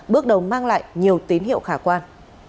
bước đầu mang lại nhiều tín hiệu khả quan